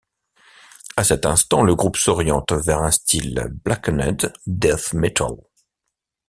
À cet instant, le groupe s'oriente vers un style blackened death metal.